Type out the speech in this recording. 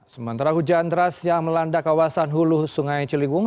sementara hujan deras yang melanda kawasan hulu sungai ciliwung